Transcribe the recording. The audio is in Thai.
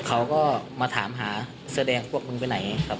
เขาก็มาถามหาเสื้อแดงพวกมึงไปไหนครับ